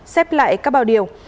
xếp lại các bao điều